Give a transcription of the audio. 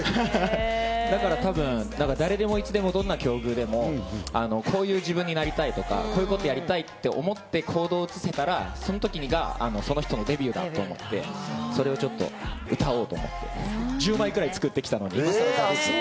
だから誰でも、いつでも、どんな境遇でも、こういう自分になりたいとか、こういうことをやりたいって思って、行動に移せたら、その時がその人のデビューだと思って、それでちょっと歌おうと思って。